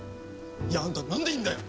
いやあんたなんでいんだよ！？